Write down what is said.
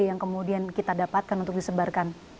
yang kemudian kita dapatkan untuk disebarkan